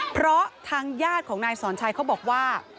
เพราะทางญาติของนายสอนชัยเขาบอกว่า